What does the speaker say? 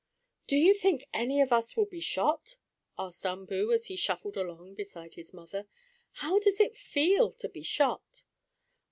"Do you think any of us will be shot?" asked Umboo, as he shuffled along beside his mother. "How does it feel to be shot?"